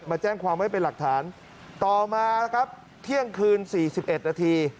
มาแจ้งความไว้เป็นหลักฐานต่อมาครับเที่ยงคืนสี่สิบเอ็ดนาที